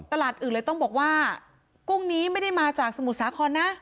ตลาดอื่นเลยต้องบอกว่ากุ้งนี้ไม่ได้มาจากสมุทรสาครนะ